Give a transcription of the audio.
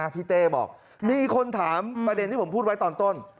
เต้บอกมีคนถามประเด็นที่ผมพูดไว้ตอนต้น